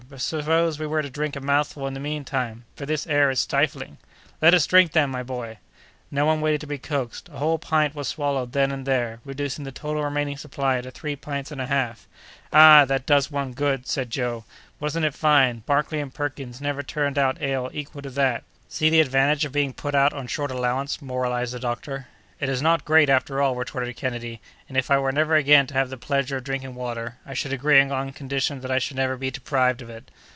but suppose we were to drink a mouthful in the mean time, for this air is stifling?" "Let us drink then, my boy!" No one waited to be coaxed. A whole pint was swallowed then and there, reducing the total remaining supply to three pints and a half. "Ah! that does one good!" said Joe; "wasn't it fine? Barclay and Perkins never turned out ale equal to that!" "See the advantage of being put on short allowance!" moralized the doctor. "It is not great, after all," retorted Kennedy; "and if I were never again to have the pleasure of drinking water, I should agree on condition that I should never be deprived of it."